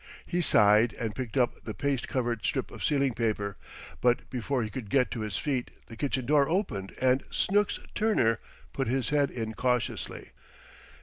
He sighed and picked up the paste covered strip of ceiling paper, but before he could get to his feet the kitchen door opened and "Snooks" Turner put his head in cautiously.